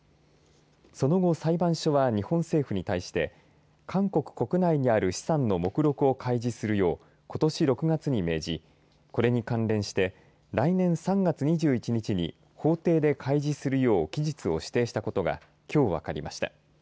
その後、裁判所は日本政府に対して韓国国内にある資産の目録を開示するようことし６月に命じこれに関連して来年３月２１日に法廷で開示するよう期日を指定したことがきょう分かりました。